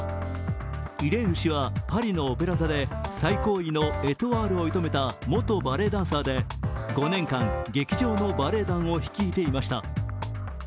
イレール氏はパリのオペラ座で最高位のエトワールを射止めた元バレエダンサーで、５年間劇場のバレエ団を率いていました。